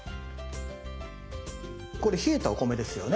これ冷えたお米ですよね。